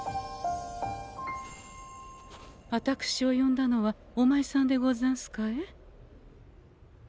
あたくしを呼んだのはおまいさんでござんすかえ？